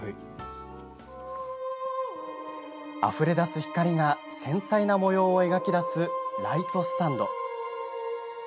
あふれ出す光が繊細な模様を描き出すライトスタンド。